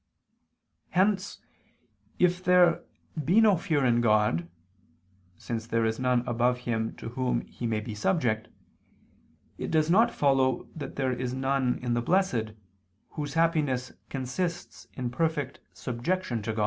Hence, if there be no fear in God (since there is none above Him to whom He may be subject) it does not follow that there is none in the blessed, whose happiness consists in perfect subjection to God.